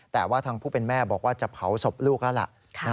แต่ว่าทางผู้เป็นแม่บอกว่าจะเผาศพลูกแล้วล่ะ